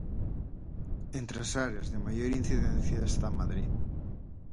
Entre as áreas de maior incidencia está Madrid.